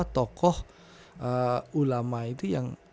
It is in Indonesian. tokoh ulama itu yang